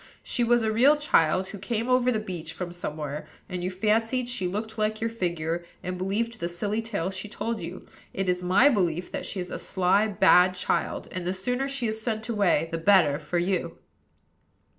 She was a real child, who came over the beach from somewhere; and you fancied she looked like your figure, and believed the silly tale she told you. It is my belief that she is a sly, bad child; and the sooner she is sent away the better for you."